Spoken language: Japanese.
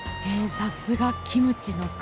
さすがキムチの国。